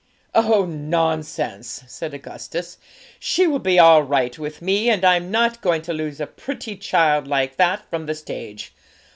'Oh, nonsense!' said Augustus; 'she will be all right with me; and I'm not going to lose a pretty child like that from the stage!